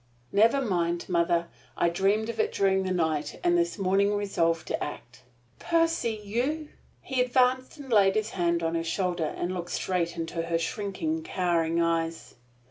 "Never mind, mother. I dreamed of it during the night and this morning resolved to act." "Percy! You " He advanced and laid a hand on her shoulder, and looked straight into her shrinking, cowering eyes.